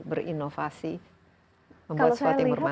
berinovasi membuat sesuatu yang berbahaya